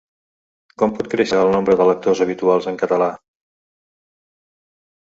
Com pot créixer el nombre de lectors habituals en català?